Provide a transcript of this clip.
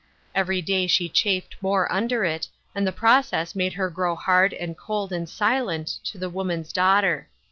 Every day she chafed more under it, and the process made her grow hard and cold and silent to the woman's daughter.